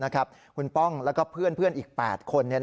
คุณป้องแล้วก็เพื่อนอีก๘คน